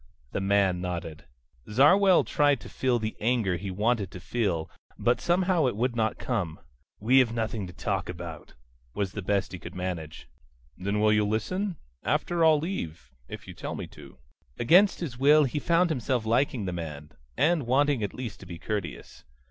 The man nodded. Zarwell tried to feel the anger he wanted to feel, but somehow it would not come. "We have nothing to talk about," was the best he could manage. "Then will you just listen? After, I'll leave if you tell me to." Against his will he found himself liking the man, and wanting at least to be courteous.